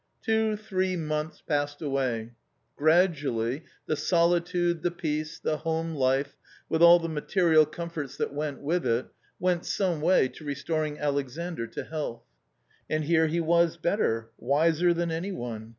Two, three months passed away. Gradually the solitude, the peace, the home life, with all the material comforts that went with it, went some way to restoring Alexandr to health. And here he was better, wiser than any one